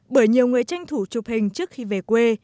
bởi nhiều người tranh thủ chụp hình trước khi về quê